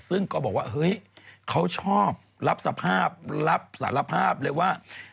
ซึ่งก็บอกว่าเฮ้ยเขาชอบรับสภาพรับสารภาพรับสารภาพเลยว่า